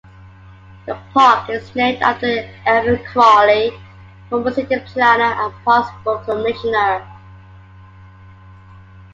The park is named after Everett Crowley, former city planner and parks board commissioner.